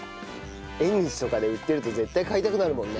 縁日とかで売ってると絶対買いたくなるもんね。